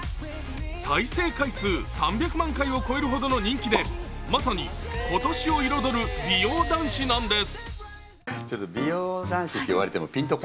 再生回数３００万回を超えるほどの人気でまさに今年を彩る美容男子なんです。